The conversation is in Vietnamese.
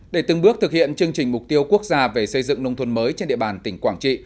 để từng bước thực hiện chương trình mục tiêu quốc gia về xây dựng nông thôn mới trên địa bàn tỉnh quảng trị